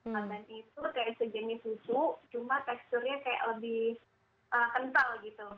sambanti itu kayak sejenis susu cuma teksturnya kayak lebih kental gitu